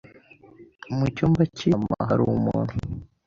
Mu cyumba cy'inama hari umuntu.